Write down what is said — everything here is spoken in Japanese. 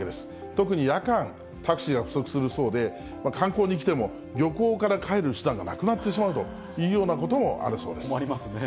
特に夜間、タクシーが不足するそうで、観光に来ても、漁港から帰る手段がなくなってしまうというようなこともあるそう困りますね。